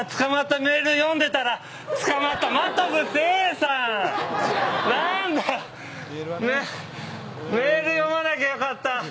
メール読まなきゃよかった。